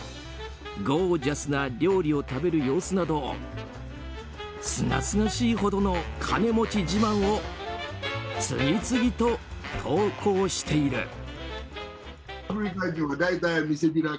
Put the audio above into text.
ゴージャスな料理を食べる様子などすがすがしいほどの金持ち自慢を次々と投稿している。